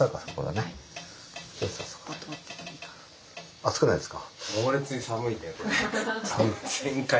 暑くないですか？